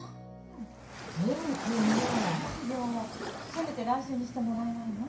せめて来週にしてもらえないの？